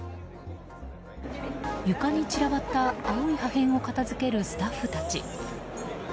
床に散らばった青い破片を片付けるスタッフたち。